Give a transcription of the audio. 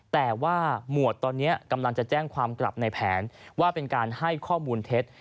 แต่ว่าหมวดตอนนี้กำลังจะแจ้งความกลับในแผนว่าเป็นการให้ข้อมูลเท็จ